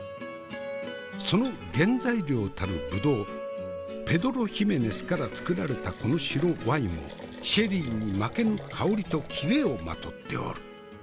その原材料たるブドウペドロ・ヒメネスから造られたこの白ワインもシェリーに負けぬ香りとキレを纏っておる。